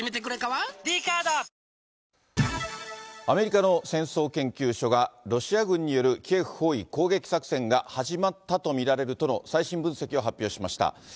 アメリカの戦争研究所がロシア軍によるキエフ包囲・攻撃作戦が始まったと見られるとの最新分析を発表しました。